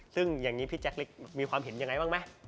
ซึ่งอย่างนี้พี่แจ๊กเล็กมีความเห็นยังไงบ้างไหม